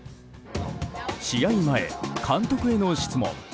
試合前、監督への質問。